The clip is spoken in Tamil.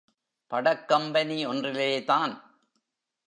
படக் கம்பெனி ஒன்றிலே தான்.